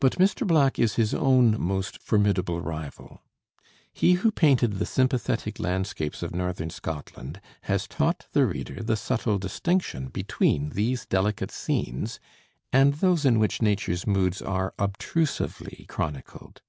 But Mr. Black is his own most formidable rival. He who painted the sympathetic landscapes of northern Scotland has taught the reader the subtle distinction between these delicate scenes and those in which nature's moods are obtrusively chronicled.